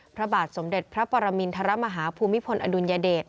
พระบาทสมเด็จพระปรมินทรมาฮาภูมิพลอดุลยเดช